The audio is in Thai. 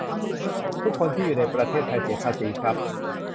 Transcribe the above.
ทุกคนที่อยู่ในประเทศไทยเสียภาษีครับ